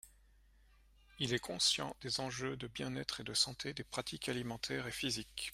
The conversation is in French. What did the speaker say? Il est conscient des enjeux de bien-être et de santé des pratiques alimentaires et physiques.